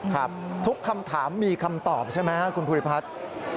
ครับทุกคำถามมีคำตอบใช่ไหมครับคุณภูริพัฒน์